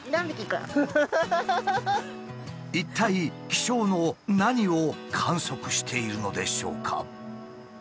一体気象の何を観測しているのでしょうか？